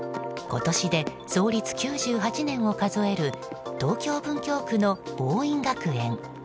今年で創立９８年を数える東京・文京区の桜蔭学園。